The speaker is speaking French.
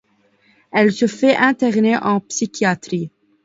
Elle se fait interner en psychiatrie.